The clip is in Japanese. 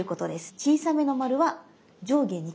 小さめの丸は上下２回。